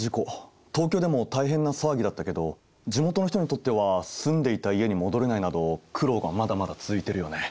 東京でも大変な騒ぎだったけど地元の人にとっては住んでいた家に戻れないなど苦労がまだまだ続いているよね。